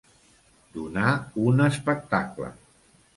Donar un espectacle.